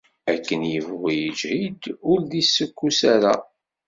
Akken yebɣu yiǧhid, ur d-issukkus ara.